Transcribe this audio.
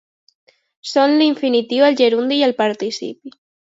Són l'infinitiu, el gerundi i el participi.